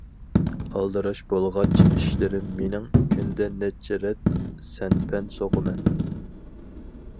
ئالدىراش بولغاچ ئىشلىرىم مېنىڭ، كۈندە نەچچە رەت سەنپەن سوقىمەن.